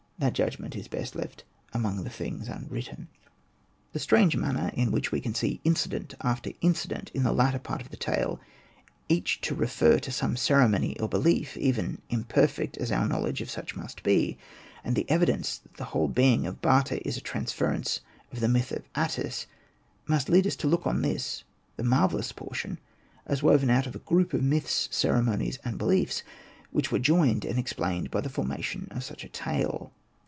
'' That judgment is best left among the things un written. Hosted by Google 86 ANPU AND BATA The strange manner in which we can see Incident after incident in the latter part of the tale, each to refer to some ceremony or behef, even imperfect as our knowledge of such must be, and the evidence that the whole being of Bata is a transference of the myth of Atys, must lead us to look on this, the marvellous portion, as woven out of a group of myths, ceremonies, and beliefs which were joined and explained by the formation of such a tale.